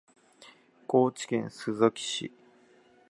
高知県須崎市